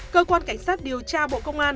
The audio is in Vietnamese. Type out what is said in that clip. cơ quan cảnh sát điều tra bộ công an